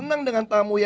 untuk menambah lucu